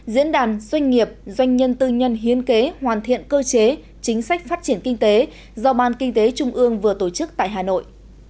diễn đàn doanh nghiệp doanh nhân tư nhân hiến kế hoàn thiện cơ chế chính sách phát triển kinh tế do ban kinh tế trung ương vừa tổ chức tại hà nội